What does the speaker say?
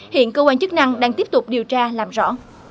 hiện cơ quan chức năng đang tiếp tục điều tra làm rõ